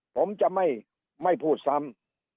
ผมจะไม่พูดซ้ำ